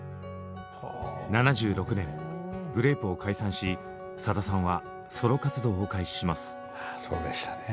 ７６年グレープを解散しさださんはソロ活動を開始します。